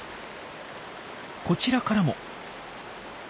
こちらからも。